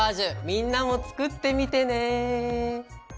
みんなも作ってみてね！